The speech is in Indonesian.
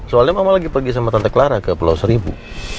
soalnya mama lagi pergi sama tante clara ke pulau seribu